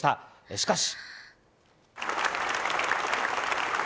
しかし。